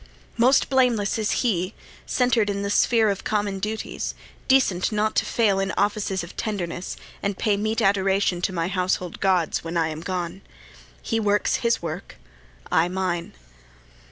Most blameless is he, centred in the sphere Of common duties, decent not to fail In offices of tenderness, and pay Meet adoration to my household gods, When I am gone. He works his work, I mine.